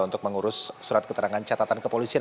untuk mengurus surat keterangan catatan kepolisian